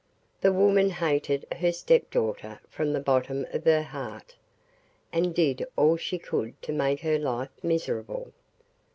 The woman hated her stepdaughter from the bottom of her heart, and did all she could to make her life miserable.